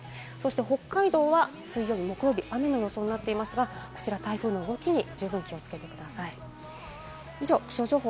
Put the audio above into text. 北海道は水曜日、木曜日、雨の予想になっていますがこちら台風の動きに十分気をつけてください。